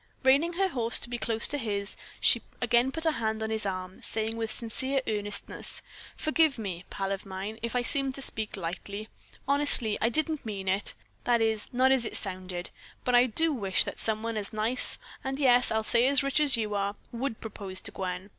Reining her horse close to his, she again put a hand on his arm, saying with sincere earnestness: "Forgive me, pal of mine, if I seemed to speak lightly. Honestly, I didn't mean it that is, not as it sounded. But I do wish that someone as nice and yes, I'll say as rich as you are, would propose to poor Gwen.